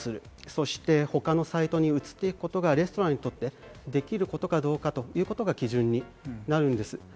そして他のサイトに移っていくことがレストランにとって、できることかどうかということが基準になるんです。